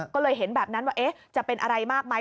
ก็เลยเห็นแบบนั้นว่าจะเป็นอะไรมากไหม